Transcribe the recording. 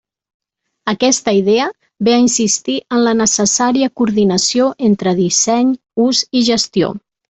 Aquesta idea ve a insistir en la necessària coordinació entre disseny, ús i gestió.